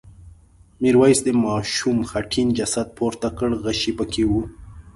میرويس د ماشوم خټین جسد پورته کړ غشی پکې و.